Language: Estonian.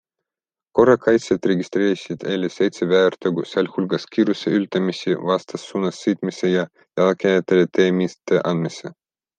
Korrakaitsjad registreerisid eile seitse väärtegu, sealhulgas kiiruseületamisi, vastassuunas sõitmise ja jalakäijatele tee mitteandmise.